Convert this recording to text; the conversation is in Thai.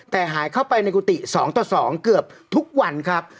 แต่หายเข้าไปในกุฏิ๒ต่อ๒เกือบทุกวันครับ